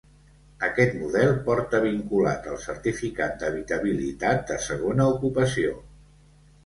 Aquest model porta vinculat el certificat d'habitabilitat de segona ocupació.